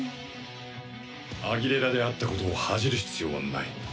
アギレラであったことを恥じる必要はない。